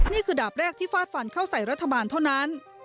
นี่คือดาบแรกที่ฟาดฟันเข้าใส่รัฐบาลเท่านั้น